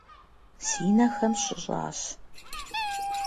Си нэхэм щыщӏащ.